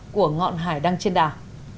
của ngọn hải đăng trên đảo